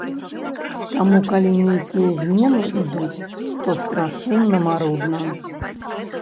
Таму, калі нейкія змены ідуць, то страшэнна марудна.